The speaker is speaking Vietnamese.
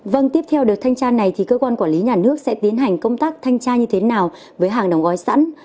vâng tiếp theo đợt thanh tra này thì cơ quan quản lý nhà nước sẽ tiến hành công tác thanh tra như thế nào với hàng đóng gói sẵn